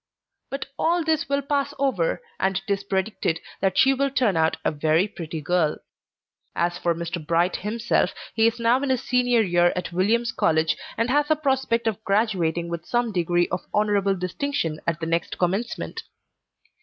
But all this will pass over, and it is predicted that she will turn out a very pretty girl. As for Mr. Bright himself, he is now in his senior year at Williams College, and has a prospect of graduating with some degree of honorable distinction at the next Commencement.